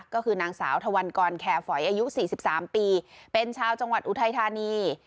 ก็คือนางสาวธวรกรแคร์ฝอยอายุ๔๓ปีเป็นชาวจังหวัดอุทัยธานี